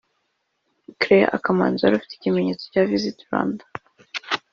Clare Akamanzi wari ufite ikimenyetso cya Visit Rwanda